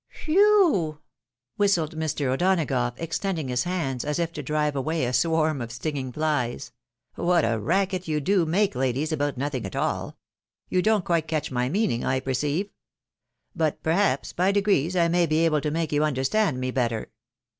"Wheugh!" whistled Mr. O'Donagough, extending his hands, as if to drive away a swarm of stinging flies, " what a racket you do make, ladies, about nothing at all. You don't quite catch my meaning, I perceive ; but perhaps, by degrees, ,1 may be able to make you understand me better.